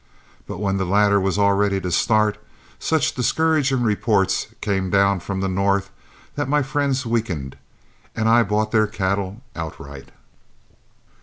But when the latter was all ready to start, such discouraging reports came down from the north that my friends weakened, and I bought their cattle outright.